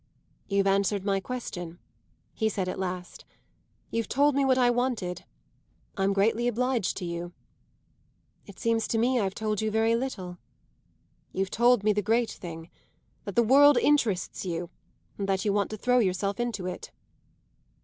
"You've answered my question," he said at last. "You've told me what I wanted. I'm greatly obliged to you." "It seems to me I've told you very little." "You've told me the great thing: that the world interests you and that you want to throw yourself into it."